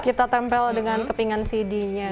kita tempel dengan kepingan cd nya